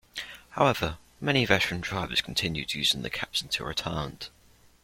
However, many veteran drivers continued using the caps until retirement.